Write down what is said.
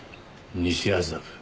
西麻布